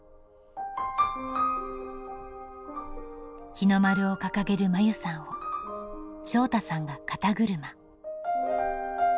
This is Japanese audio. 日の丸を掲げる真優さんを翔大さんが肩車。